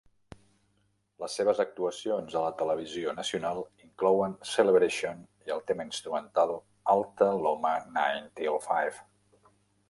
Les seves actuacions a la televisió nacional inclouen "Celebration" i el tema instrumental "Alta Loma Nine 'till Five".